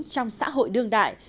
trong xã hội đương đại